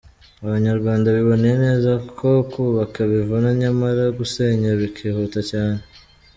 Abanyarwanda biboneye neza ko kubaka bivuna nyamara gusenya bikihuta cyane.